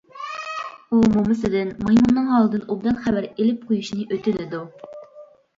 ئۇ مومىسىدىن مايمۇننىڭ ھالىدىن ئوبدان خەۋەر ئېلىپ قويۇشىنى ئۆتۈنىدۇ.